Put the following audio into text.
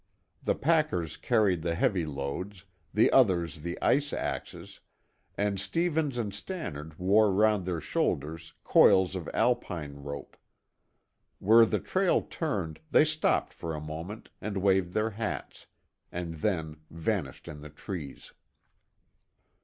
The packers carried the heavy loads, the others the ice axes, and Stevens and Stannard wore round their shoulders coils of Alpine rope. Where the trail turned they stopped for a moment and waved their hats, and then vanished in the trees.